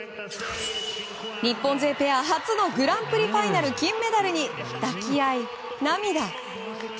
日本勢ペア初のグランプリファイナル金メダルに抱き合い、涙。